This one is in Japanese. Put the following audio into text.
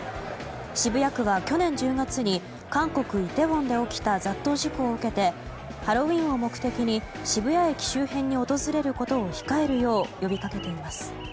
渋谷区は去年１０月に韓国イテウォンで起きた雑踏事故を受けてハロウィーンを目的に渋谷駅周辺に訪れることを控えるよう呼びかけています。